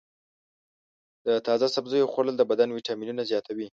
د تازه سبزیو خوړل د بدن ویټامینونه زیاتوي.